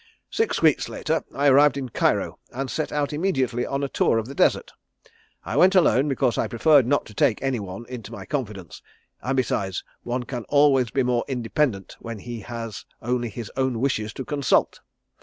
Six weeks later I arrived in Cairo and set out immediately on a tour of the desert. I went alone because I preferred not to take any one into my confidence, and besides one can always be more independent when he has only his own wishes to consult.